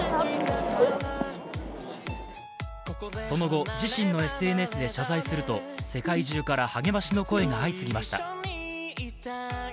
その後、自身のＳＮＳで謝罪すると、世界中から励ましの声が相次ぎました。